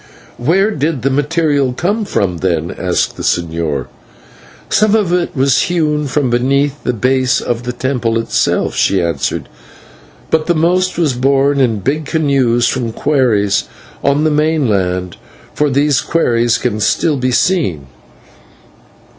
"Where did the material come from, then?" asked the señor. "Some of it was hewn from beneath the base of the temple itself," she answered, "but the most was borne in big canoes from quarries on the mainland, for these quarries can still be seen."